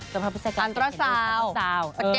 สำหรับพฤษฐกรรมอันตราสาวสแกนอะไรล่ะ